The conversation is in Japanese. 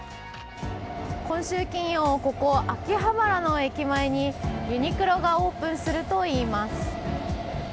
今週金曜、ここ秋葉原の駅前にユニクロがオープンするといいます。